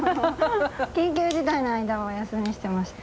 緊急事態の間はお休みしてました。